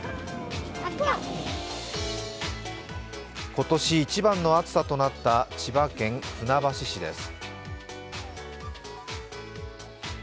今年一番の暑さとなった千葉県船橋市です。